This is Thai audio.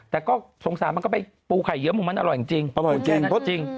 แต่ก็สงสารมันก็ไปปูไข่เยอะมุมมันอร่อยจริง